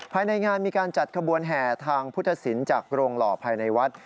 ภายในงานมีการจัดขบวนแห่ทางพุทธศิลป์จากโรงหล่อภายในวัด